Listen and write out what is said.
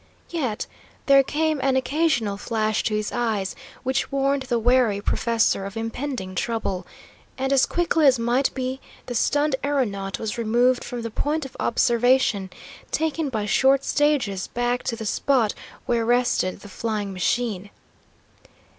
Yet there came an occasional flash to his eyes which warned the wary professor of impending trouble, and as quickly as might be the stunned aeronaut was removed from the point of observation, taken by short stages back to the spot where rested the flying machine.